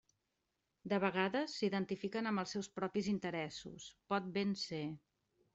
De vegades s'identifiquen amb els seus propis interessos, pot ben ser.